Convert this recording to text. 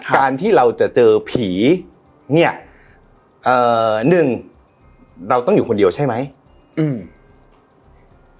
การที่เราจะเจอผีเนี้ยเอ่อหนึ่งเราต้องอยู่คนเดียวใช่ไหมอืม